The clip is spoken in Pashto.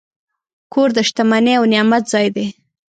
کور د شتمنۍ او نعمت ځای دی.